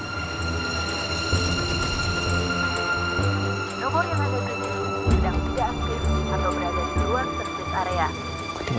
nomor yang ada di situ